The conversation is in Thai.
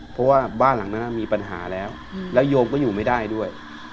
เพราะว่าบ้านหลังนั้นมีปัญหาแล้วแล้วโยมก็อยู่ไม่ได้ด้วย